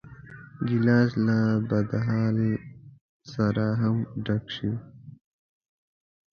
ګیلاس له بدحال سره هم ډک شي.